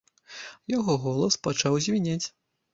Яго голас пачаў звінець.